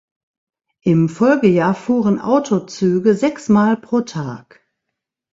Im Folgejahr fuhren Autozüge sechsmal pro Tag.